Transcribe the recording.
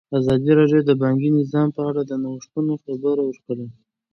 ازادي راډیو د بانکي نظام په اړه د نوښتونو خبر ورکړی.